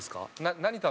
何食べる？